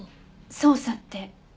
捜査って。